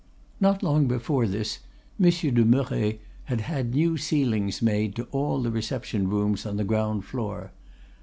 "Not long before this Monsieur de Merret had had new ceilings made to all the reception rooms on the ground floor.